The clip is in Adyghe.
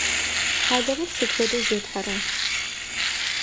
Хьалыгъур сыд фэдэу зетхьэра?